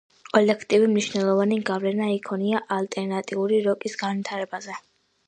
კოლექტივი მნიშვნელოვანი გავლენა იქონია ალტერნატიული როკის განვითარებაზე.